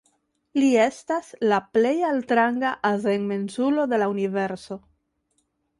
Li estas la plej altranga azenmensulo de la universo.